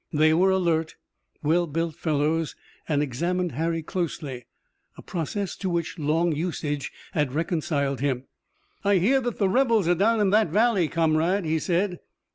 They were alert, well built fellows and examined Harry closely, a process to which long usage had reconciled him. "I hear that the rebels are down in that valley, comrade," he said.